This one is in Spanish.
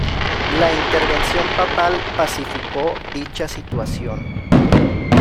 La intervención papal pacificó dicha situación.